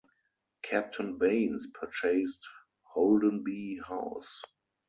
Captain Baynes purchased Holdenby House.